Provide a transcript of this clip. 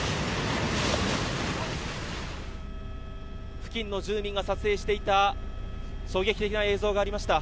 付近の住人が撮影していた衝撃的な映像がありました。